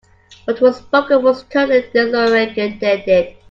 What was spoken was totally disregarded.